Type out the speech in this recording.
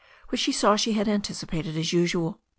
But she saw she had anticipated as usual.